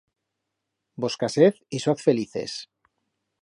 Vos casez y soz felices.